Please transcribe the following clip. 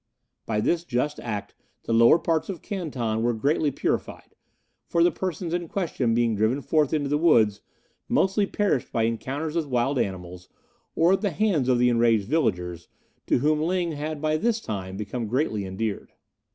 By this just act the lower parts of Canton were greatly purified, for the persons in question being driven forth into the woods, mostly perished by encounters with wild animals, or at the hands of the enraged villagers, to whom Ling had by this time become greatly endeared.